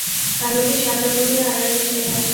কালোকে সাদা বলিয়া আড়ালে সে হাসে।